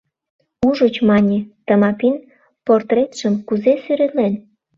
Ужыч, мане, Тымапин портретшым кузе сӱретлен?